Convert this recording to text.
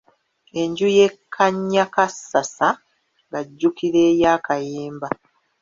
Enju ye Kannyakassasa ng'ajjukira eya Kayemba.